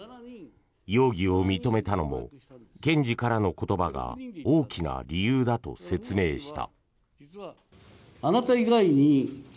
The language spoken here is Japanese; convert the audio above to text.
容疑を認めたのも検事からの言葉が大きな理由だと説明した。